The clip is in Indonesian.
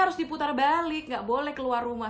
harus diputar balik nggak boleh keluar rumah